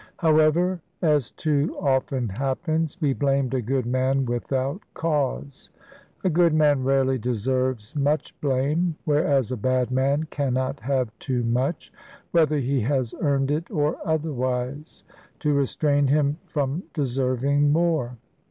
However, as too often happens, we blamed a good man without cause. A good man rarely deserves much blame; whereas a bad man cannot have too much whether he has earned it or otherwise to restrain him from deserving more.